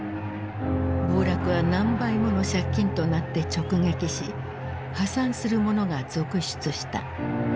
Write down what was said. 暴落は何倍もの借金となって直撃し破産する者が続出した。